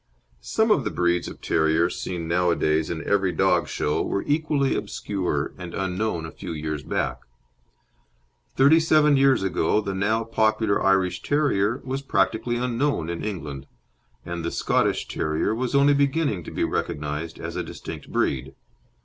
Some of the breeds of terriers seen nowadays in every dog show were equally obscure and unknown a few years back. Thirty seven years ago the now popular Irish Terrier was practically unknown in England, and the Scottish Terrier was only beginning to be recognised as a distinct breed.